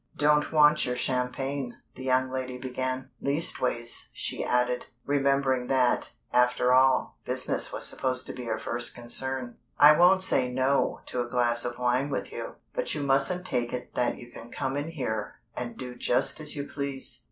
"Don't want your champagne," the young lady began; "leastways," she added, remembering that, after all, business was supposed to be her first concern, "I won't say 'no' to a glass of wine with you, but you mustn't take it that you can come in here and do just as you please.